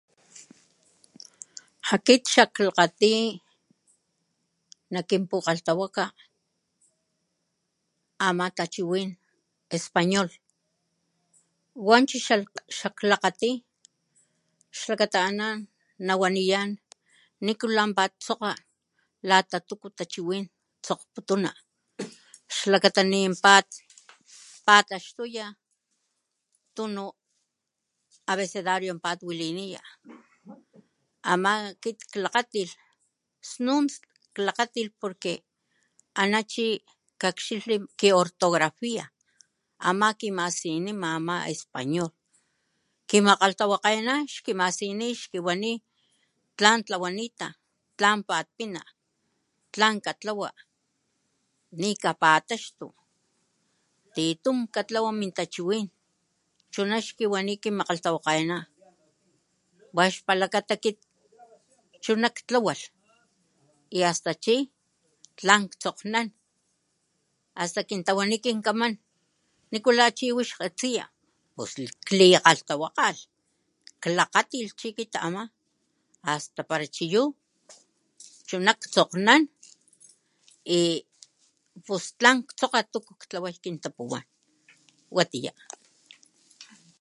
Akit xaklakgati nak kinpukgalhtawakga ama tachiwin:Español ¡wanchi xak klakgati! xlakata ana nawaniyan nikula pat tsokga lata tuku tachiwin tsokgputuna xlakata ninpat pataxtuya tunu abecedario pat waliniya ama akit klakgatilh snun klakgatilh porque ana chi kakxilhli ki ortografia ama kimasinima ama Español kimakgalhtawakgena xkimasini xkiwani tlan tlawanita, tlan pat pina, tlan katlawa nikapataxtu, titun katlawa min tachiwin, chuna xkiwani kimakgalhtawakgena wa xpalakat kit chuna ktlawalh y hasta chi tlan tsokgnan hasta kintawani kin kaman ¡nikula chi wix katsiya! pos klikgalhtawakgalh klakgatilh chi kit ama hasta para chiyu chuna tsokgnan y pus tlan tsokga tuku ktlaway kintapuwan watiya.